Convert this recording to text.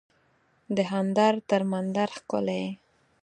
دهاندر تر مندر ښکلی